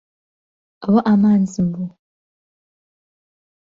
ئەوە ئامانجم بوو.